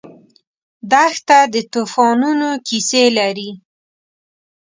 دښته د توفانونو کیسې لري.